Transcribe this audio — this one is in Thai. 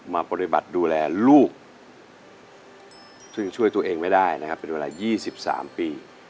มาปฏิบัติดูแลลูกซึ่งช่วยตัวเองไม่ได้นะครับเป็นเวลา๒๓ปี